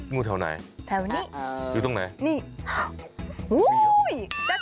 งูแถวไหนอยู่ตรงไหนแถวนี้นี่